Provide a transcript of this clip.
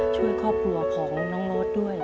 ช่วยครอบครัวของน้องโน๊ตด้วย